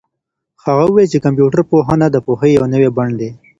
هغه وویل چي کمپيوټر پوهنه د پوهې یو نوی بڼ دی.